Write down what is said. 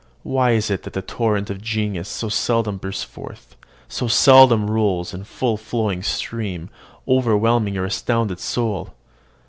why is it that the torrent of genius so seldom bursts forth, so seldom rolls in full flowing stream, overwhelming your astounded soul?